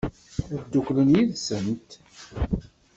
Ad dduklen yid-sent?